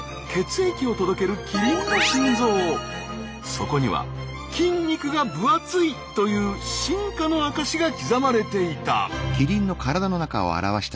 そこには筋肉が分厚いという進化の証しが刻まれていた。